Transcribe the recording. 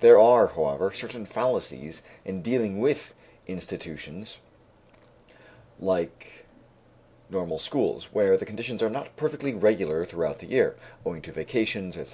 There are, however, certain fallacies in dealing with institutions like Normal schools, where the conditions are not perfectly regular throughout the year, owing to vacations, etc.